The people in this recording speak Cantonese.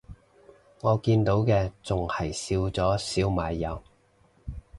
我見到嘅仲係笑咗笑埋右